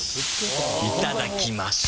いただきます！